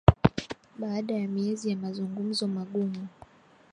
Baada ya miezi ya mazungumzo magumu